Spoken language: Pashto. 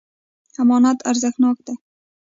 امانت ارزښتناک دی.